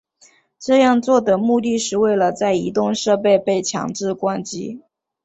这样做的目的是为了在移动设备被强制关机。